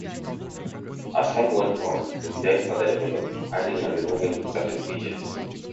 As time went on, the design further developed, adding and removing certain features.